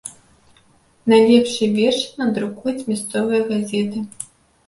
Найлепшыя вершы надрукуюць мясцовыя газеты.